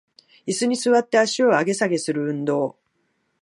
イスに座って足を上げ下げする運動